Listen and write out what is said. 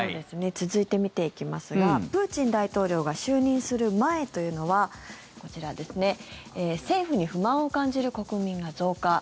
続いて見ていきますがプーチン大統領が就任する前というのはこちら政府に不満を感じる国民が増加。